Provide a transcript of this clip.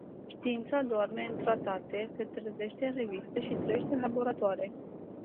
Știința doarme în tratate, se trezește în reviste și trăiește în laboratoare.